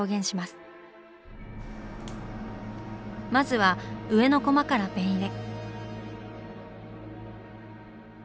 まずは上のコマからペン入れ。